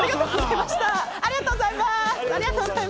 ありがとうございます！